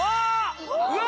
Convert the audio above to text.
うわ！